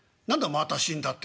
『また死んだ』ってのは」。